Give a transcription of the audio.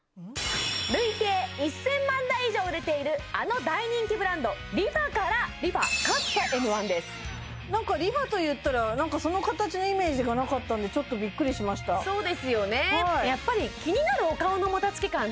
累計１０００万台以上売れているあの大人気ブランドＲｅＦａからなんかＲｅＦａといったらなんかその形のイメージがなかったんでちょっとびっくりしましたそうですよね